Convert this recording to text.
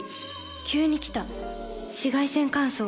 急に来た紫外線乾燥。